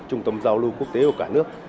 trung tâm giao lưu quốc tế của cả nước